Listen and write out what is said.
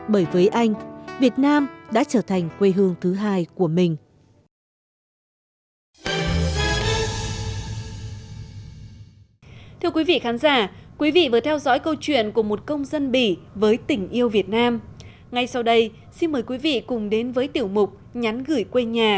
bởi với anh việt nam đã trở thành quê hương thứ hai của mình